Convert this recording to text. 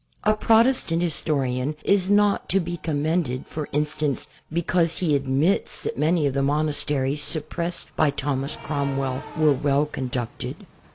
A Protestant historian is not to be commended, for instance, because he admits that many of the monasteries .suppressed by Thomas Cromwell were well conducted.